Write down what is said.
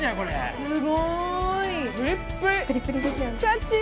すごーい。